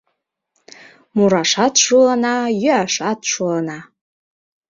Мурашат шуына, йӱашат шуына.